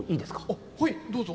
あはいどうぞ。